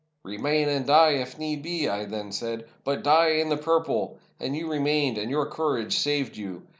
'Remain, and die if need be,' I then said; 'but die in the purple!' And you remained, and your courage saved you.